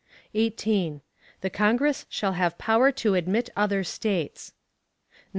18. The Congress shall have power to admit other States. 19.